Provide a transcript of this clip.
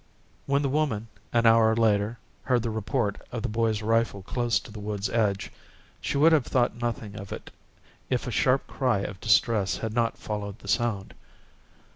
When the woman, an hour later, heard the report of the boy's rifle close to the wood's edge, she would have thought nothing of it if a sharp cry of distress had not followed the sound.